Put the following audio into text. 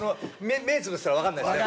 目つぶってたら、分かんないですね。